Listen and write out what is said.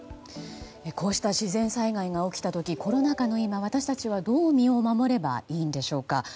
こうした自然災害が起きた時コロナ禍の今、私たちはどう身を守ればいいのでしょうか。